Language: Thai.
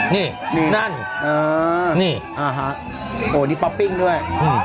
นี่นั่นนี่โอ้นี่ป๊อปปิ้งด้วย